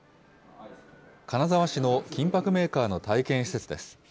金沢市の金ぱくメーカーの体験施設です。